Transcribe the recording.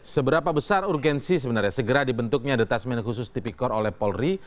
seberapa besar urgensi sebenarnya segera dibentuknya detasmen khusus tipikor oleh polri